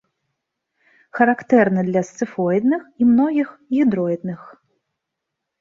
Характэрны для сцыфоідных і многіх гідроідных.